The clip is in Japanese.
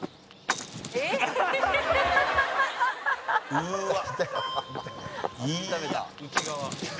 うわっ！